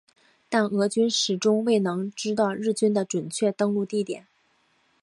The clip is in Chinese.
但俄军始终未能知道日军的准确登陆地点。